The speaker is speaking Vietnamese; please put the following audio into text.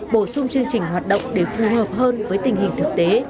bổ sung chương trình hoạt động để phù hợp hơn với tình hình thực tế